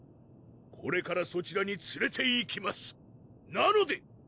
これからそちらにつれていきますなので！